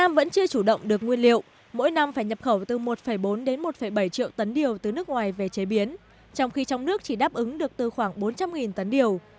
mỗi năm phải nhập khẩu từ một bốn đến một bảy triệu tấn điều từ nước ngoài về chế biến trong khi trong nước chỉ đáp ứng được từ khoảng bốn trăm linh tấn điều